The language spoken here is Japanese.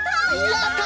やった！